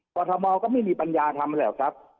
กรทมก็ไม่มีปัญญาทำหรอกครับ